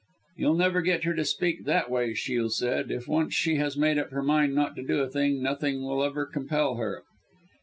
"You'll never get her to speak that way," Shiel said. "If once she has made up her mind not to do a thing, nothing will ever compel her."